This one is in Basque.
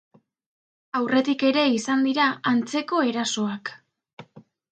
Aurretik ere izan dira antzeko erasoak.